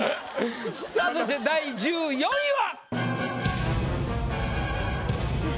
さぁそして第１４位は！